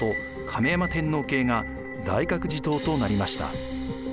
亀山天皇系が大覚寺統となりました。